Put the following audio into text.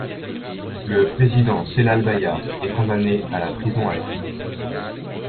Le président Celal Bayar est condamné à la prison à vie.